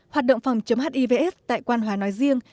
hoạt động phòng chấm hivs tại quan hòa nói riêng